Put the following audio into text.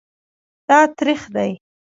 دا تریخ دی